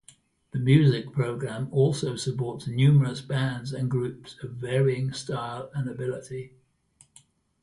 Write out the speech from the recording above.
The music program also supports numerous bands and groups of varying style and ability.